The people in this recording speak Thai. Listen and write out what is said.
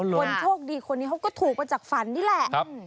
คนโชคดีคนนี้เขาก็ถูกมาจากฝันนี่แหละ